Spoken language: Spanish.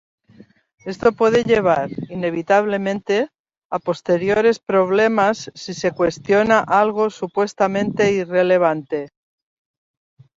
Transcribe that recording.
Esto puede llevar, inevitablemente, a posteriores problemas si se cuestiona algo supuestamente irrelevante.